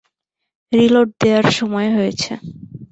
Reload দেয়ার সময় হয়েছে।